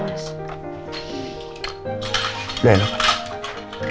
ini sudah selesai ya